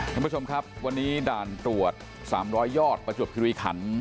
ท่านผู้ชมครับวันนี้ด่านตรวจ๓๐๐ยอดประจวบคิริขัน